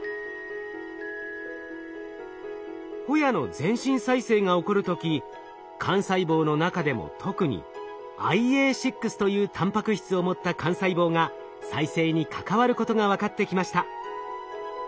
ホヤの全身再生が起こる時幹細胞の中でも特にＩＡ６というたんぱく質を持った幹細胞が再生に関わることが分かってきました。